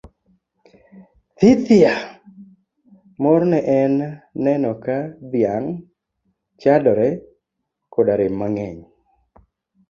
Thithia! Morne en neno ka dhiang' chadore koda rem mang'eny.